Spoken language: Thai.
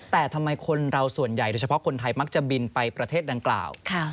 แต่ทำไมคนเราส่วนใหญ่โดยเฉพาะคนไทยมักจะบินไปประเทศดังกล่าว